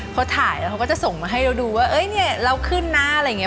เขาถ่ายแล้วเขาก็จะส่งมาให้เราดูว่าเอ้ยเนี่ยเราขึ้นนะอะไรอย่างนี้